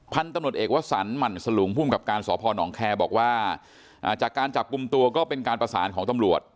พันธุ์ตำรวจเอกวสันหมั่นสลุงภูมิกับการสพนแคร์บอกว่าจากการจับกลุ่มตัวก็เป็นการประสานของตำรวจ